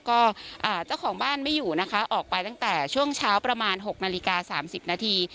ก็เจ้าของบ้านไม่อยู่นะคะออกไปตั้งแต่ช่วงเช้าประมาณ๖นาฬิกา๓๐นาที